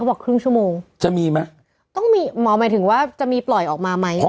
บอกครึ่งชั่วโมงจะมีไหมต้องมีหมอหมายถึงว่าจะมีปล่อยออกมาไหม